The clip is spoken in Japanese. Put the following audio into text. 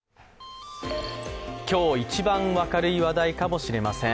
今日一番明るい話題かもしれません。